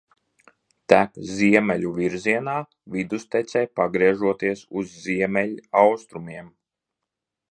Tek ziemeļu virzienā, vidustecē pagriežoties uz ziemeļaustrumiem.